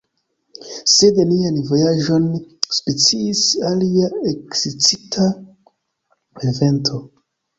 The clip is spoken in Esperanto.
Sed nian vojaĝon spicis alia ekscita evento.